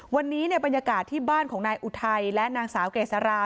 วันนี้บรรยากาศที่บ้านของนายอุทัยและนางสาวเกษรา